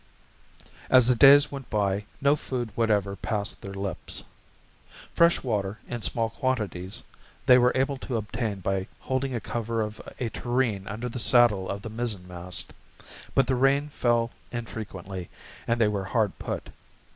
As the days went by, no food whatever passed their lips. Fresh water, in small quantities, they were able to obtain by holding a cover of a tureen under the saddle of the mizzenmast. But the rain fell infrequently, and they were hard put.